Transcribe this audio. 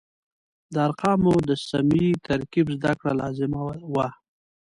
د ارقامو د سمې ترکیب زده کړه لازمه وه.